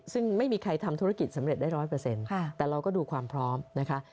ซึ่งไม่มีใครทำธุรกิจสำเร็จได้๑๐๐แต่เราก็ดูความพร้อมนะคะ